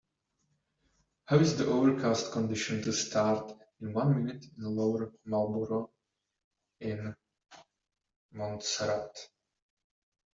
how is the overcast condition to start in one minute in Lower Marlboro in Montserrat